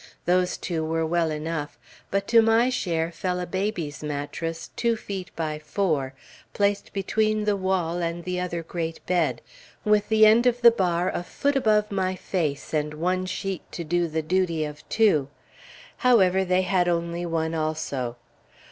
Those two were well enough; but to my share fell a baby's mattress two feet by four, placed between the wall and the other great bed, with the end of the bar a foot above my face, and one sheet to do the duty of two however, they had only one, also.